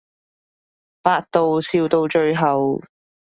百度笑到最後